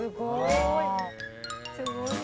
すごい！